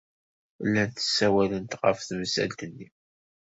Llant ssawalent ɣef temsalt-nni.